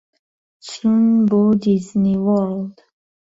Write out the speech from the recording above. چوون بۆ دیزنی وۆرڵد.